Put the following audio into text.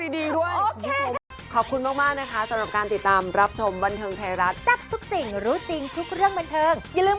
ดูแลลูกดีด้วย